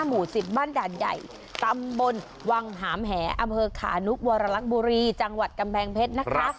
หมู่๑๐บ้านด่านใหญ่ตำบลวังหามแหอำเภอขานุกวรลักษบุรีจังหวัดกำแพงเพชรนะคะ